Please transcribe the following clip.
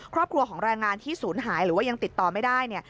ครอบครัวของแรงงานที่สูญหายหรือยังติดต่อไม่ได้